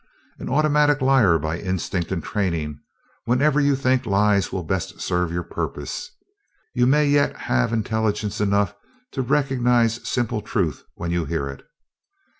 An automatic liar by instinct and training whenever you think lies will best serve your purpose, you may yet have intelligence enough to recognize simple truth when you hear it.